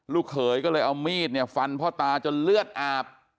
เขยก็เลยเอามีดเนี่ยฟันพ่อตาจนเลือดอาบ